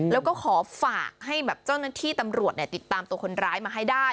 แล้วก็ขอฝากให้แบบเจ้าหน้าที่ตำรวจติดตามตัวคนร้ายมาให้ได้